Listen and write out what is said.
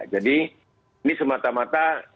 jadi ini semata mata